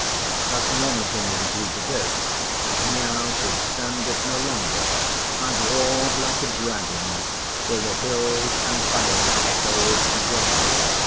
As none of them would agree to this, Miao could stand it no longer, and roared like a dragon till the hills and valleys echoed again.